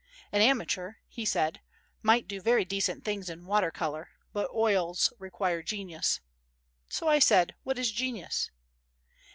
"An amateur," he said, "might do very decent things in water colour, but oils require genius." So I said: "What is genius?"